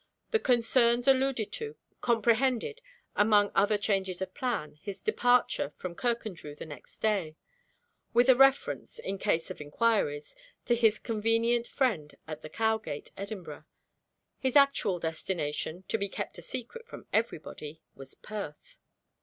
The "concerns" alluded to, comprehended, among other changes of plan, his departure from Kirkandrew the next day with a reference, in case of inquiries, to his convenient friend at the Cowgate, Edinburgh. His actual destination to be kept a secret from every body was Perth.